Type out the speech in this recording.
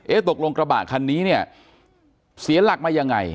ตกลงกระบะคันนี้เนี่ยเสียหลักมายังไง